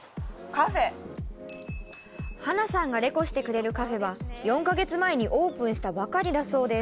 カフェハナさんがレコしてくれるカフェは４ヵ月前にオープンしたばかりだそうです